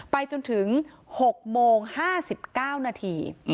ไปจนถึง๖โมง๕๙นาที